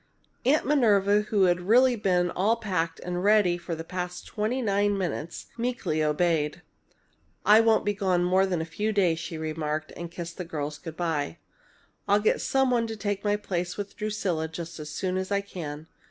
Aunt Minerva, who had really been all packed and ready for the past twenty nine minutes, meekly obeyed. "I won't be gone more than a few days," she remarked, as she kissed the girls good by. "I'll get some one to take my place with Drusilla just as soon as I can.